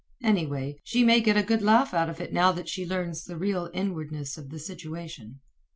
Anyway, she may get a good laugh out of it now that she learns the real inwardness of the situation.